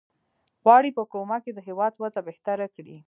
غواړي په کومک یې د هیواد وضع بهتره کړي.